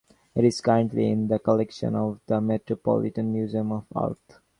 It is currently in the collection of the Metropolitan Museum of Art.